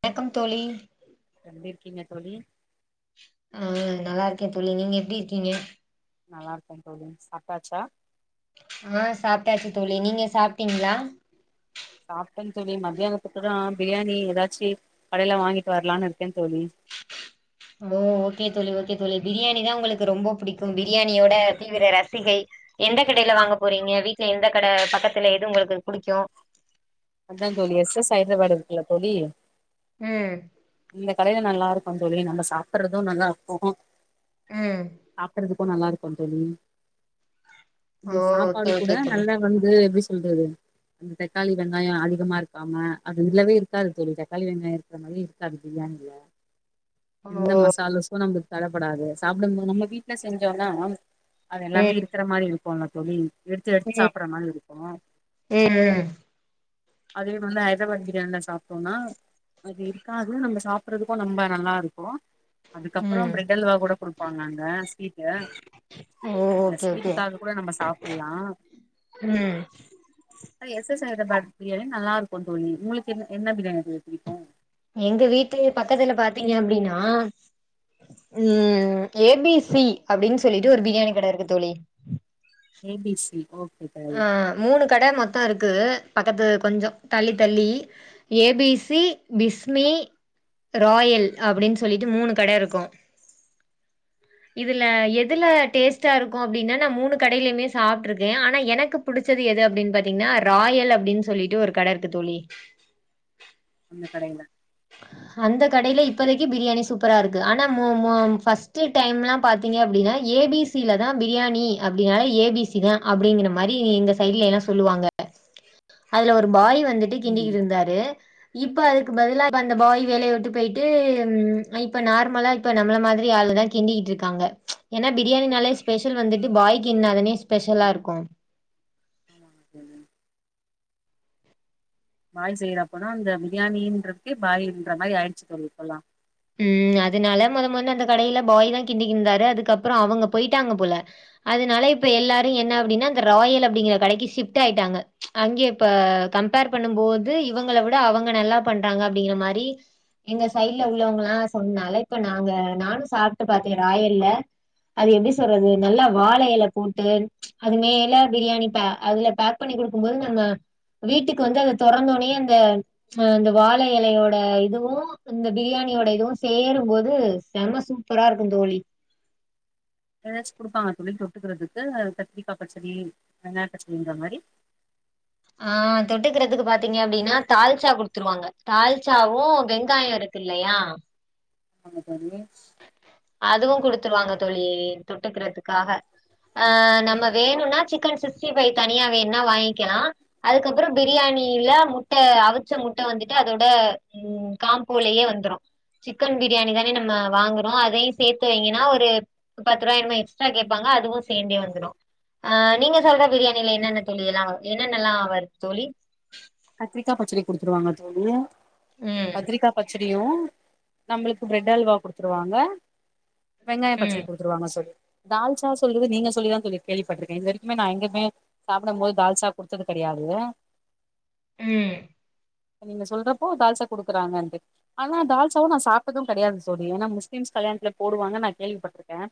வணக்கம் தோழி எப்டி இருக்கீங்க தோழி ஆஹ் நல்லா இருக்கேன் தோழி நீங்க எப்டி இருக்கீங்க நல்லா இருக்கே தோழி சாப்டாச்சா ஆஹ் சாப்டாச்சி தோழி நீங்க சாப்டீங்களா டன் தோழி மத்தியானத்துக்கு தா பிரியாணி ஏதாச்சி கடையில வாங்கிட்டு வர்லானு இருக்கேன் தோழி ஓ ஓகே தோழி ஓகே தோழி பிரியாணிதா உங்களுக்கு ரொம்ப புடிக்கும் பிரியாணியோட தீவிர ரசிகை எந்த கடையில வாங்க போறீங்க வீட்டுல எந்த கட பக்கத்துல எதுவும் உங்களுக்கு புடிக்கும் அத்தான் தோழி எஸ் எஸ் ஹைத்ராபாத் இருக்குல்ல தோழி உம் இந்த கடையில நல்லா இருக்கும் தோழி நம்ம சாப்புட்றதும் நல்லா இருக்கோ ம் அப்புறது இப்போ நல்லாருக்கே தோழி ஓ இங்க ஓகே சாப்பாடு கூட ஓகே தோழி நல்லா வந்து எப்டி சொல்றது அந்த தக்காளி வெங்காயோ அதிகமாருக்காம அது இல்லவே இருக்காது தோழி தக்காளி வெங்காயோ இருக்கற மாதிரியே இருக்காது பிரியாணில எந்த ஓ மசாலா சோ நம் தடப்படாது சாப்டும்போது நம்ம வீட்ல செஞ்சோம்னா அது எல்லாமே ம் இருக்கற மாரி இருக்கு போன தோழி எடுத்து எடுத்து ம் சாப்புடுற மாதிரி இருக்கு ம் ம் அதே வந்து ஹைதராபாத் பிரியாணில சாப்ட்டோம்னா அது இருக்காது நம்ம சாப்புறதுக்கு நம்ம நல்லாருக்கு அதுக்கப்புறம் ம் பிரெட் அல்வா கூட குடுப்பாங்க அங்க ஸ்வீட்டு ஓ அந்த ஓகே ஓகே ஸ்வீட்டுக்காக கூட நம்ம சாப்பல்லா ம் அ எஸ் எஸ் தட் பிரியாணி நல்லாருக்கு தோழி உங்களுக்கு என்ன என்ன பிரியாணி புடிக்கு எங்க வீட்டு பக்கத்துல பாத்தீங்க அப்டின்னா உஹம் ஏ பி சி அப்டின்னு சொல்லிட்டு ஒரு பிரியாணி கடை இருக்கு தோழி ஏ பி சி ஓகே தோழி ஆஹ் மூணு கட மொத் டாருக்குது பக்கத்துல கொஞ்சோ தள்ளி தள்ளி A B C Bismi Royal அப்டின்னு சொல்லிட்டு மூணு கட இருக்கு இதுல எதுல டேஸ்டாருக்கு அப்டின்னா நா மூணு கடையிலுமே சாப்ட்டுருக்கே ஆனா எனக்கு பிடிச்சது எது அப்டின்னு பாத்தீங்ன்னா ராயல் அப்டின்னு சொல்லிட்டு ஒரு கடருக்கு தோழி அந்த கடையில அந்த கடையில இப்பதைக்கி பிரியாணி சூப்பராருக்கு ஆனா மு மு ஃபர்ஸ்ட் டைமெல்லா பாத்தீங்க அப்டின்னா A B C Latha biryani அப்டின்னால ஏபிசி தா அப்டிங்கிற மாரி இந்த சைட்லல்லா சொல்லுவாங்க அதுல ஒரு பாய் வந்து வந்துட்டு ம் கிண்டிக்கிட்டு இருந்தாரு இப்போ அதுக்கு பதிலா இப்ப அந்த பாய் வேலைய உட்டு போயிட்டு ம் இப்ப நார்மலா இப்ப நம்மள மாதிரி ஆள் தா கிண்டிக்கிட்டு இருக்காங்க ஏன்னா பிரியாணினாலே ஸ்பெஷல் வந்துட்டு பாய் கிண்ணாலுமே ஸ்பெஷலாருக்கும் ஆமாங்க தோழி பாய் சைடா போனா அந்த பிரியாணின்றதுக்கே பாயன்ற மாதிரி ஆயிடுச்சு தோழி இப்பல்லா உம் அதனால மொத மொதல அந்த கடையில பாய் தா கிண்டிக்கிட்டுந்தாரு அதுக்கப்புற அவுங்க போயிட்டாங்க போல அதனால இப்ப எல்லாரு என்ன அப்டின்னா அந்த ராயல் அப்டிங்கிற கடைக்கு ஷிப்ட் ஆயிட்டாங்க அங்க இப்ப கம்பேர் பண்ணும் போது இவுங்கள விட அவங்க நல்லா பண்றாங்க அப்டிங்கிற மாதிரி எங்க சைட்ல உள் இல்ல அவுங்கனா சொன்ன அளவுக்கு நானு சாப்ட்டு பாத்த ராயல்ல அது எப்டி சொல்றது நல்லா வாழை எல போட்டு அது மேல பிரியாணி ப பேக் பண்ணிருக்கும் போது நம்ம வீட்டுக்கு வந்து அந்த தொறந்தோனே அந்த அ வாழ எலையோட இதுவு இந்த பிரியா ணியோட இதுவு சேரும்போது செம சூப்பராருக்கும் தோழி ஏதாச்சு குடுப்பாங்களா தோழி தொட்டுக்கறதுக்கு கத்திரிக்காய் பச்சடி வெங்காய பச்சடிங்கற மாதிரி ஆஹ் தொட்டுக்கறதுக்கு பாத்தீங்க அப்டின்னா தால்சா குடுத்துருவாங்க தால்சாவும் வெங்காயோ இருக்குல்லையா [unintelligible] தோழி அதுவும் குடுத்துருவாங்க தோழி தொட்டுக்கறதுக்காக ஆஹ் நம்ம வேணுன்னா சிக்கன் சி க்ஸ்டிபை தனியா வேண்னா வாங்கிக்கலா அதுக்கப்புற பிரியாணியில முட்டை அவிச்ச முட்டை வந்துட்டு அதோட உ காம்போலயே வந்துரு சிக்கன் பிரியாணி தானே நம்ம வாங்குறோ அதையு சேத்து வீங்கன்னா ஒரு பத்து ரூபாய் என்மோ எக்ஸ்ட்ரா கேட்பாங்க அதுவு சேந்தே வந்துடு அஹ் நீங்க சொல்ற பிரியாணியில என்னென்ன தோழி எல்லா வரு என்னென்னல்லா வருது தோழி கத்திரிக்காய் பச்சரி குடுத்துருவாங்க தோழி ம் கத்திரிக்கா பச்சடியு நம்மளுக்கு பிரெட் அல்வா குடுத்துருவாங்க வெங்காயம் ம். பச்சரி கொடுத்துருவாங்க தோழி தால்ச்சா சொல்றது நீங்க சொல்லிதா தோழி கேள்விப்பட்டுருக்கே இது வரைக்குமே நா எங்குமே சாப்புடும் போது தால்ச்சா குடுத்தது கடையாது உம் நீங்க சொல்றப்போ தால்சா கொடுக்குறங்கந்து ஆனா தால்சாவும் நான் சாப்பிட்டதும் கெடையாது தோழி ஏன்னா முஸ்லிம்ஸ் கல்யாணத்துல போடுவாங்கு நான் கேள்விப்பட்டிருக்கேன்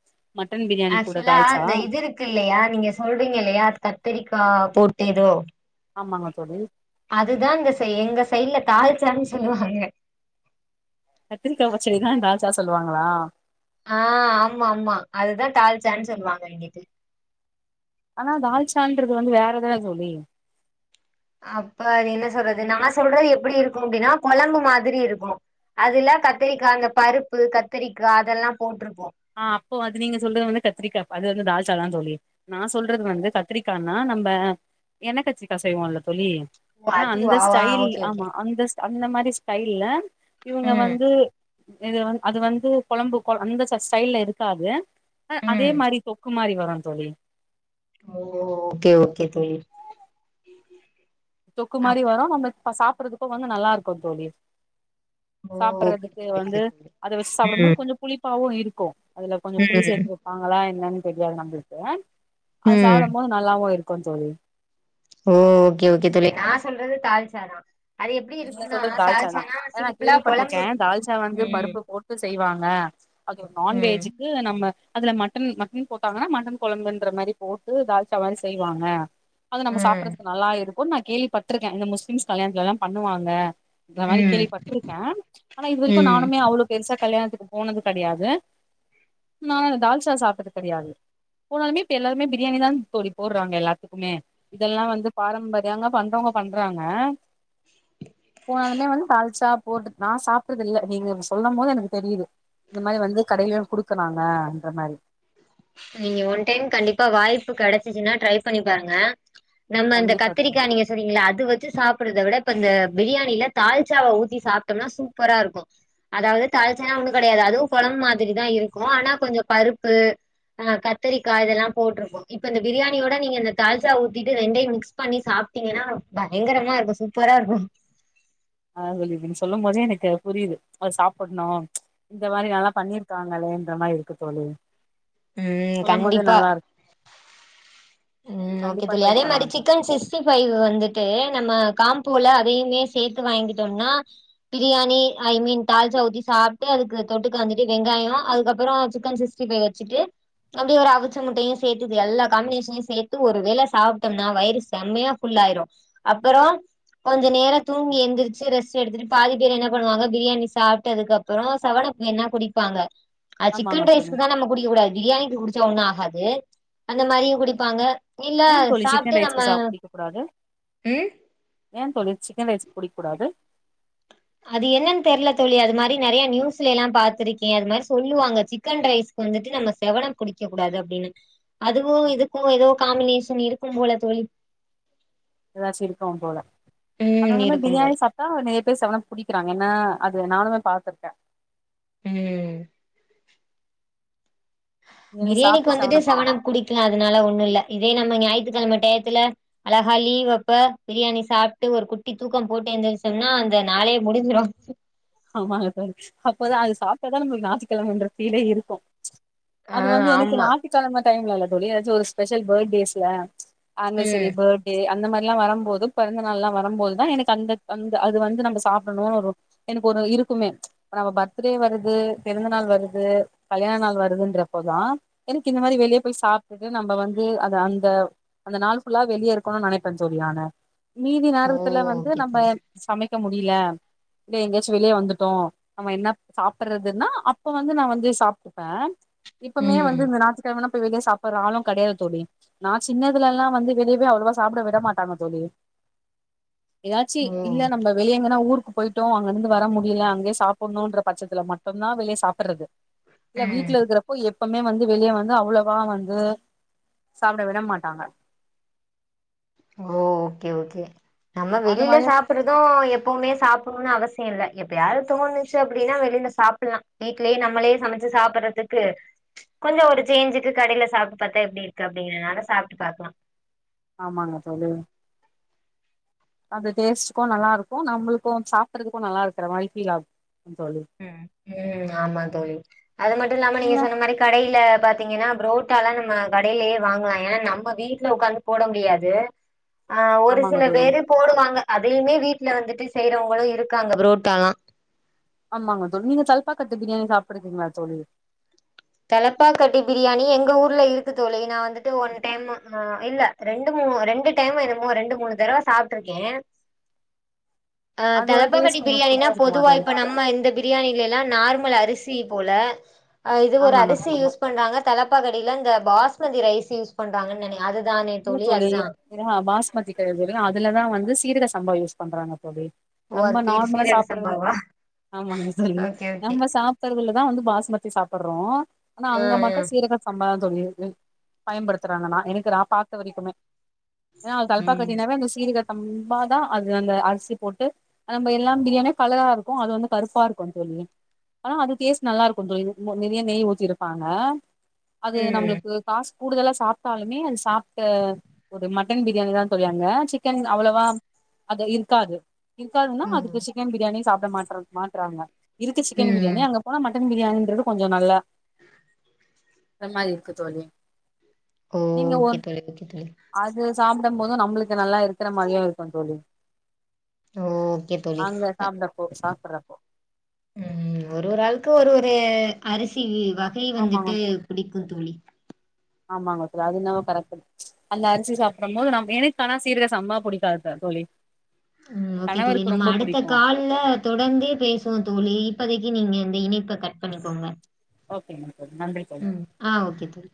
ஆக்சுவலா அந்த இது இருக்கு இல்லையா நீங்க சொல்றீங்க இல்லையா அது கத்தரிக்கா போட்டேதோ ஆமாங்க தோழி அதுதாங்க ச எங்க சைட்ல தால்சான்னு சொல்லுவாங்க கத்திரிக்கா பச்சடிதான் தால்சா சொல்லுவாங்களா ஆஹ் ஆமா ஆமா அதுதான் தால்ச்சானு சொல்லுவாங்க இங்கிட்டு ஆனா தால்சான்றது வந்து வேற தான தோழி அப்ப அது என்ன சொல்றது நான் சொல்றது எப்படி இருக்கும் அப்படின்னா குழம்பு மாதிரி இருக்கும் அதுல்ல கத்தரிக்கா அந்த பருப்பு கத்தரிக்கா அதெல்லாம் போட்டிருக் ஆஹ் அப்போ அது நீங்க சொல்றது வந்து கத்திரிக்கா அது வந்து தால் சா தான் தோழி நான் சொல்றது வந்து கத்திரிக்கான்னா நம்ம எண்ணக்கத்திரிக்கா செய்வோம்ல்ல தோழி ஓ ஆனா அந்த அதுவா ஆ ஸ்டைல் ஓகே ஓகே ஆமா அந்த ஸ் அந்த மாதிரி ஸ்டைல்ல இவங்க ம் வந்து இது அது வந்து கெழம்பு அந்த ஸ்டைல்ல இருக்காது ஹ அதே ம் மாறி தொக் கு மாறி வரு தோழி ஓ ஓகே ஓகே தோழி தொக்கு அப்- மாறி வரும் நம்ம அப்ப சாப்பறதுக்கு வந்து நல்லா இருக்கும் தோழி ஓ ஓகே சாப்பட்றதுக்கு தோழி வந்து ஓகே தோழி அத வெச்சு ம் சாப்பிடும்போது கொஞ்சம் புளிப்பாவும் இருக் கொ அதுல கொஞ்ச புலி ம் சேத்து வெப்பாங்களா என்னனு செரியா நம்ளுது அது ம் சாப்டும் போது நல்லாவும் இருக்கு கும் தோழி ஓ ஓகே ஓகே தோழி நான் சொல்றது தால்சா தா நீங்க சொல்றது தால்சா தான் ஏ நான் சிம்பிளா கொழம்பு கேள்விப்பட்டிருக்கேன் தால்சா வந்து ம் பருப்பு போட்டு செய்வாங்க ஆ அது ஒரு ம் நான்வேஜ்க்கு நம்ம அதுல மட்டன் மட்டன் போட்டாங்கன்னா மட்டன் கொழம்புன்ற மாறி போட்டு தால்சா மாறி செய்வாங்க அது நம்ம ம் சாப்பட்றதுக்கு நல்லா இருக்கும் [unintelligible] நான் கேள்விப்பட்டிருக்கேன் இந்த முஸ்லிம்ஸ் கல்யாணத்துலலாம் பண்ணுவாங்க அந்த மாறி ம் கேள்விப்பட்ருக்கேன் ஆனா இது வரைக்கும் ம் நானுமே அவ்ளோ பெருசா கல்யாணத்துக்கு போனது கெடயாது நா தால்சா சாப்ட்டது கெடையாது போனாலுமே இப்ப எல்லாருமே பிரியாணி தான் தோழி போடுறாங்க எல்லாத்துக்குமே இதெல்லாம் வந்து பாரம்பரியங்க பண்றவங்க பண்றாங்க போனாலுமே வந்து தால்சா போட்டு நான் சாப்ட்டது இல்ல நீங்க சொல்லும் போது எனக்கு தெரியுது இந்த மாதிரி வந்து கடையிலு குடுக்கறாங்கன்ற மாறி நீங்க ஒன் டைம் கண்டிப்பா வாய்ப்பு கெடச்சிச்சுன்னா ட்ரை பண்ணி பாருங்க நம்ம இந்த கண்டிப்பா தோழி கத்தரிக்கா நீங்க சொல்றிங்கல்ல அது வச்சு சாப்பிறத விட இப்ப இந்த பிரியாணில தால்சாவை ஊத்தி சாப்ட்டம்னா சூப்பரா இருக்கும் அதாவது தால்சானா ஒன்னு கெடயாது அதுவும் கொழம்பு மாதிரிதா இருக்கு ஆனா கொஞ்சம் பருப்பு ஆ கத்தரிக்காய் இதெல்லாம் போட்ருக்கும் இப்ப இந்த பிரியாணியோட நீங்க இந்த தால்ச்சா ஊத்திட்டு ரெண்டயு மிக்ஸ் பண்ணி சாப்ட்டீங்கன்னா பயங்கரமா இருக்கு சூப்பரா இருக்கு அ நீங்க சொல்லும் போதே எனக்கு புரியுது அது சாப்பிடணும் இந்த மாரி நல்லா பண்ணிருக்காங்களேன்ற மாரி இருக்கு தோழி ம் சொல்லும் போதே கண்டிப்பா நல்லா இருக்கு ம் ஓகே கண்டிப்பா தோழி ட்ரை அதே மாரி பண்ணலா தோழி சிக்கன் சிக்ஸ்டி பைவ் வந்துட்டு நம்ப காம் ம்போல அதையுமே சேத்து வாங்கிட்டோம்னா பிரியாணி ஐ மீன் தால்ச்சாவூத்தி சாப்ட்டு அதுக்கு தொட்டுக்க வந்துட்டு வெங்காயம் அதுக்கப்பறோ சிக்கன் சிக்ஸ்டி பைவ் வச்சுட்டு அப்டியே ஒரு அவிச்ச முட்டையும் சேத்துடு எல்லா காம்பினேஷனையும் சேத்து ஒரு வேள சாப்பிட்டோம்னா வயிறு செம்மையா ஃபுல்லாயிரும் அப்பறோ கொஞ்சம் நேரம் தூங்கி எந்திரிச்சு ரெஸ்ட் எடுத்துட்டு பாதி பேர் என்ன பண்ணுவாங்க பிரியாணி சாப்பிட்டுதுக்கப்பறோ சவனப் என்னா குடிப்பாங்க அது ஆமாங்க சிக்கன் தோழி ரைஸ்கக்கு தா நம் குடிக்க கூடாது பிரியாணிக்கு குடி ஒண்ணு ஆகாது அந்த மாரி குடிப் ப்பாங்க இல்ல ஏ தோழி சிக்கன் சாப்ட்டு நம்ம ரைஸ்க்கு சாப் ம் ஏன் தோழி சிக்கன் ரைஸ்கு குடிக்க கூடாது அது என்னன்னு தெரில தோழி அது மாரி நறைய நியூஸ்ல எல்லா பாத்துருக்கே அது மாரி சொல்லுவாங்க சிக்கன் ரைஸ்க்கு வந்துட்டு நம்ம சவனப் குடிக்கக் கூடாது அப்படின்னு அதுவும் இதுக்கும் ஏதோ காம்பினேஷன் இருக்கும் போல தோழி ஏதாச்சும் இருக்கும் போல ம் ஆனாலுமே இருக்கும் போல பிரியாணி சாப்பிட்டா நே த்தே சவன்அப் குடிக்கிறாங்க ஏன்ன அது நானுமே பாத்துருக்கே ம் பிரியாணி பிரியாணிக்கு சாப்ட்டு வந்துட்டு செவனப் சவனப் குடிக்கலா அதனால ஒண்ணும் இல்ல இதே நம்ம ஞாயிற் யத்துக்கிழம டயத்துல அழகா லீவ் அப்ப பிரியாணி சாப்பிட்டு ஒரு குட்டி தூக்கம் போட்டு எழுந்திரிச்சோம்னா அந்த நாளே முடிஞ்சுரும் ஆமாங்க அப்போதா அது சாப்பிட்டதா நம்ளுக்கு ஞாயித்துகிழமைன்ற ஃபீலே இருக்கும் ஆ அது வந்து எனக்கு ஆமா ஞாயித்துக்கெழம டைம்ல இல்ல தோழி ஏதாசும் ஒரு ஃபஷல் பர்த்ட்டேஸ்ல ம் அன்வசரி பர்த்டே அந்த மாரில்லாம் வரும்போது பிறந்த நாள் எல்லாம் வரும்போதுதா எனக்கு அந்த அந்த அது வந்து நம்ம சாப்பிடணும்னு ஒரு எனக்கு ஒரு இருக்குமே நம்ம பர்த்டே வருது பிறந்த நாள் வருது கல்யாண நாள் வருதுன்றப்போதா எனக்கு இந்த மாரி வெளியே போய் சாப்பிட்டுட்டு நம்ம வந்து அது அந்த அந்த நாள் ஃபுல்லா வெளியே இருக்கணும்னு நினைப்பே தோழி நானு மீதி ஓ நேரத்துல வந்து ஓகே நம்ம தோழி சமைக்க இருக்க முடில இல்ல எங்கயாச்சும் வெளியே வந்துட்டோ நம்ம என்ன சாப்பிடுறதுன்னா அப்ப வந்து நா வந்து சாப்ட்டுப்பே ஓ இப்பமே ம் வந்து இந்த ஞாயித்து கெழமனா வெளியே சாப்பிட்ற ஆளும் கிடையாது தோழி நா சின்னதுல எல்லா வந்து வெளியவே அவ்வளவா சாப்பிட விட மாட்டாங்க தோழி ஏதாச்சும் இல்ல நம்ம வெளிய எங்கன்னா ஊர் போய் டோ அங்க இருந்து வர முடியல அங்கே சாப்பிடணும்ன்ற பட்சத்துல மட்டும் தா வெளிய சாப்பிட்றது இல்ல வீட்ல இருக்கிறப்போ எப் ப்பமே வந்து வெளிய வந்து அவ்வளவா வந்து சாப்பிட விட மாட்டாங்க ஓ ஓகே ஓகே நம்ம அந்த வெளில மாரியே சாப்புட்றதும் எப்பவுமே சாப்பிடணும்னு அவசியம் இல்ல எப்பயாது தோணுச்சு அப்படின்னா வெளியில சாப்படலா வீடலேயே நம்மளே சமைச்சு சாப்பிடுறதுக்கு கொஞ்ச ஒரு சேஞ்சுக்கு கடையில சாப்பிட்டு பாத்தா எப்படி இருக்கு அப்படிங்கிறதுனால சாப்ட்டு பாக்கலாம் ஆமாங்க தோழி அந்த டேஸ்ட்டுக்கு நல்லா இருக்கு நம்மளுக்கு சாப்பறதுக்கும் நல்லா இருக்கிற மாதிரி ஃபீல் ஆகும் உம் உம் ஆமா தோழி அது மட்டு இல்லாம நீங்க சொன்ன மாரி கடையில பாத்தீங்கன்னா புரோட்டாலாம் நம்ம கடையிலயே வாங்கலா ஏன்னா நம்ம வீட்ல உக்காந்து போட முடியாது. ஆஹ் ஒரு ஆமாங்க சில தோழி பேரு போடுவாங்க. அதையுமே வீட்ல வந்துட்டு செய்யுறவங்களு இருக்காங்க புரோட்டாலா ஆமாங்க தோழி நீங்க தல்ப்பாகத்து பிரியாணி சாப்பிடுக்கீங்களா தோழி. தலப்பா கட்டி பிரியாணி, எங்க ஊர்ல இருக்கு தோழி நா வந்து இது ஒன் டைம். ஆஹ் இல்ல ரெண்டு மூ ரெண்டு டைம் என்னமோ ரெண்டு மூணு தடவ சாப்ட்டுருக்கே ஆஹ் அதோட தலப்பாக்கட்டி டேஸ்ட் உங்களுக்கு பிரியாணினா புடிச்சிருக்குமா பொதுவா தோழி இப்ப நம்ம இந்த பிரியாணிலலா நார்மல் அரிசி சி போல. இது ஒரு ஆமாங்க அரிசி தோழி யூஸ் பண்றாங்க தலப்பா கடையில இந்த பாஸ் மதி ரைஸ் யூஸ் பண்றாங்கன் நெனைக் இல்ல தோழி ஹா பாஸ்மதி கெடையாது அதுலதா வந் து சீரகசம்பா யூஸ் பண்றாங்க தோழி ஓ அது நம்ம பேரு நார்மலா சீரக சாப்பிடுறது சம்பாவா ஆமாங்க தோழி, ஓகே ஓகே நம்ம சாப்புடுறதுலதா வந்து பாஸ்மதி சாப்பிடறோ ஆனா ஆ அங்க ஆ மட்டும் சீரக சம்பா தோழி அது பயன்படுத்துறாங்க நா எனக்கு நா பாத் த வரைக்குமே அ ம் தலப்பாக்கட்டினாவே அந்த சீரக சம்பாதா அது அந்த அரிசி போட்டு நம்ம எல்லாம் பிரியாணியா கலரா இருக்கு, அது வந்து கருப்பா இருக்குந் தோழி, ஆனா அது டேஸ்ட் நல்லாருக்குந் தோழி நறையா நெய் ஊத்திருப்பாங்க. அது ம் நம்ளுக்கு காஸ் கூடுதலா சாப்ட்டாலுமே அது சாப் ட் ஒரு மட்டன் பிரியாணி தா தோழி அங்க சிக்கன் அவ்வளவா அது இருக்காது. இருக்காதுன்னா ம் அதுக்கு சிக்கன் பிரியாணி சாப் இந்த மாற்றம் மாட்றாங்க. இருக்கு சிக்கன் பிரியாணி ம் அங்க போனா மட் சிக்கன் பிரியாணின்றது கொஞ்ச நல்லா இந்த மாதிரி இருக்கு தோழி நீங்க ஒர் [inaudible] சாப்புடும் போதும் நம்மளுக்கு நல்லா இருக்கிற மாரியு இருக்கு தோழி ஓகே தோழி அங்க சாப்டப்போ சாப்பட்றப்போ ம் ஒரு ஒரு ஆளுக்கு ஒரு ஒரு [inaudible] அரிசி வகை ஆமாங்க வந்துட்டு பிடிக்கு தோழி ஆமாங்க தோழி அது என்னவோ கரெக்ட் அந்த அரிசி சாப்டும் போது நம்ம எனக்கானா சீரக சம்பா புடிக்காது தா தோழி ம் ஓகே தோழி கணவருக்கு நம்ம ரொம்ப அடுத்த புடிக்கு கால் ல தொடர்ந்தே பேசுவோ தோழி இப்பத க்கு நீங்க இந்த இணைப்ப கட் பண்ணிக்கோங்க ஓகே ங்க ம் ஆ ஓகே தோழி